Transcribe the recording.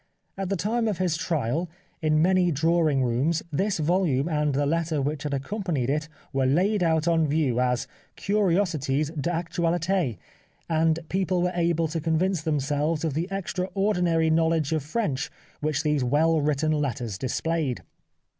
At the time of his trial, in many drawing rooms this volume and the letter which had accompanied it were laid out on view, as curiosities d'actualite, and people were able to convince themselves of the extraordinary knowledge of French which these well written letters displayed.